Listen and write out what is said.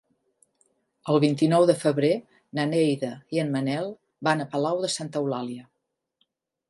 El vint-i-nou de febrer na Neida i en Manel van a Palau de Santa Eulàlia.